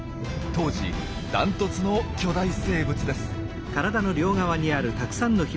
当時ダントツの巨大生物です。